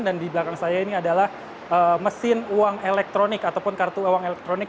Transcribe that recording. dan di belakang saya ini adalah mesin uang elektronik ataupun kartu uang elektronik